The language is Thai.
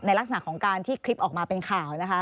ลักษณะของการที่คลิปออกมาเป็นข่าวนะคะ